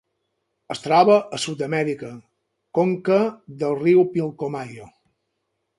Es troba a Sud-amèrica: conca del riu Pilcomayo.